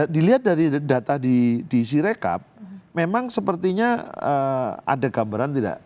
dilihat dari data di sirekap memang sepertinya ada gambaran tidak